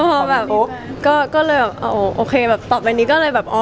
แต่พอแบบก็เลยแบบโอเคต่อไปนี้ก็เลยแบบ